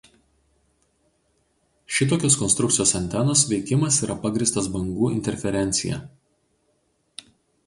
Šitokios konstrukcijos antenos veikimas yra pagrįstas bangų interferencija.